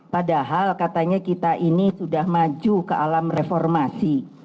padahal katanya kita ini sudah maju ke alam reformasi